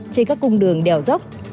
trên các cung đường đèo dốc